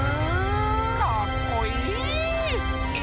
かっこいい！